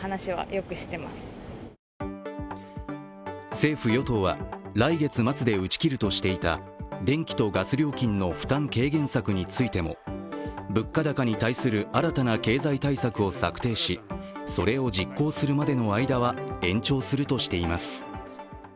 政府・与党は、来月末で打ち切るとしていた電気とガス料金の負担軽減策についても物価高に対する新たな経済対策を策定しそれを実行するまでの間は延長するとしています。